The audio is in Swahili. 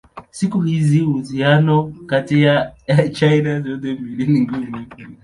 Siku hizi uhusiano kati ya China zote mbili ni mgumu.